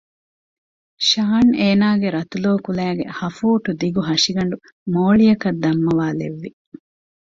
ޝާން އޭނާގެ ރަތުލޯ ކުލައިގެ ހަފޫޓްދިގު ހަށިގަނޑު މޯޅިއަކަށް ދަންމަވާލެއްވި